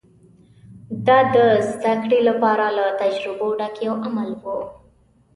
دا د زدهکړې لپاره له تجربو ډک یو عمل و